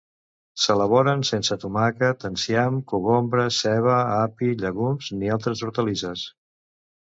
S'elaboren sense tomàquet, enciam, cogombre, ceba, api, llegums ni altres hortalisses.